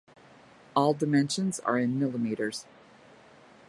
All dimensions are in millimeters.